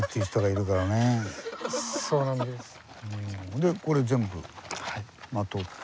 でこれ全部採って。